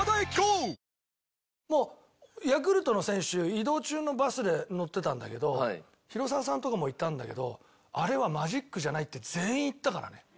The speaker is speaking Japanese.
移動中のバスで乗ってたんだけど広澤さんとかもいたんだけど「あれはマジックじゃない！」って全員言ったからね。